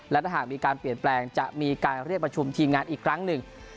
และถ้าหากมีการเปลี่ยนแปลงจะมีการเรียกประชุมทีมงานอีกครั้งหนึ่ง